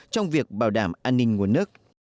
trong việc bảo đảm an ninh nguồn nước